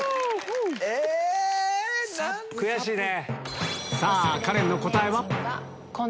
え⁉悔しいね。